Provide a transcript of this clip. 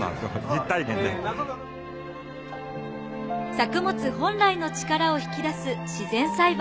作物本来の力を引き出す自然栽培。